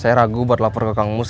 saya ragu buat lapor ke kang mus